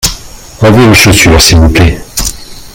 Enlevez vos chaussures s’il vous plait.